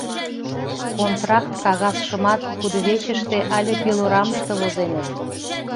Контракт кагазшымат кудывечыште але пилорамыште возеныт.